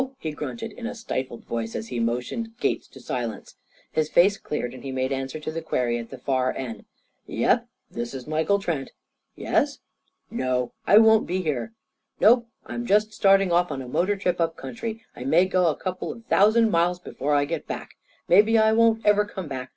he grunted in a stifled voice as he motioned Gates to silence. His face cleared, and he made answer to the query at the far end: "Yep, this is Michael Trent. Yes? No, I won't be here. Nope. I'm just starting off on a motor trip up country. I may go a couple of thousand miles before I get back. Maybe I won't ever come back.